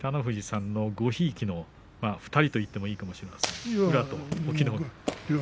北の富士さんのごひいきの２人と言ってもいいかもしれません宇良と隠岐の海。